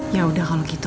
yaudah kalau gitu